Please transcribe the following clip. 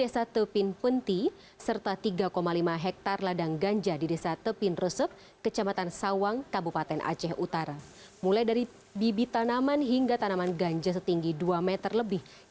seluruhannya itu adalah sepuluh lima hektare